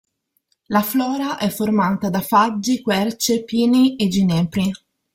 La flora è formata da faggi, querce, pini e ginepri.